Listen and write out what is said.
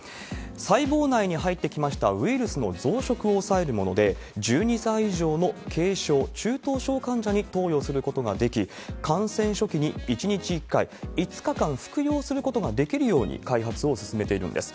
細胞内に入ってきましたウイルスの増殖を抑えるもので、１２歳以上の軽症、中等症患者に投与することができ、感染初期に１日１回、５日間服用することができるように開発を進めているんです。